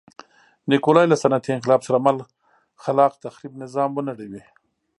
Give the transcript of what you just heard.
نیکولای له صنعتي انقلاب سره مل خلاق تخریب نظام ونړوي.